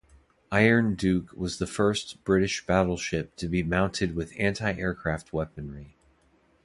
"Iron Duke" was the first British battleship to be mounted with anti-aircraft weaponry.